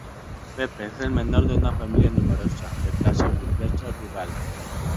Pepe es el menor de una familia numerosa de clase burguesa rural.